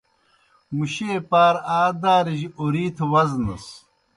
مُشیئے پار آ دارِجیْ اوْرِیتھ وزنَس۔